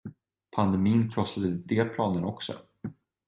Pandemin krossade de planerna också.